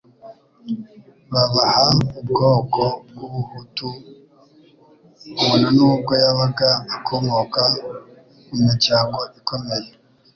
babaha ubwoko bw'ubuhutu (bona n'ubwo yabaga akomoka mu miryango ikomeye),